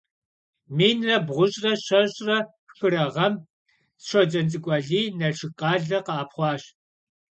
Minre bğuş're şeş're xıre ğem Şocents'ık'u Aliy Nalşşık khale khe'epxhuaş.